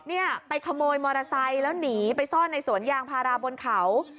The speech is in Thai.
เนี่ยไปขโมยมอเตอร์ไซค์แล้วหนีไปซ่อนในสวนยางพาราบนเขา